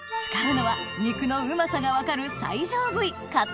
使うのは肉のうまさが分かる最上部位